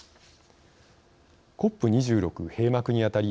ＣＯＰ２６閉幕にあたり